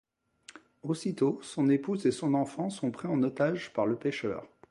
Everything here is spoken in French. Aussitôt, son épouse et son enfant sont pris en otages par le pêcheur.